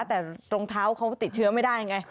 แต่รองเท้าเขาติดเชื้อไม่ได้ไง